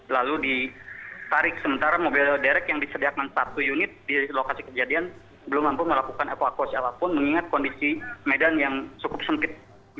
lalu ditarik sementara mobil derek yang disediakan satu unit di lokasi kejadian belum mampu melakukan evakuasi apapun mengingat kondisi medan yang cukup sempit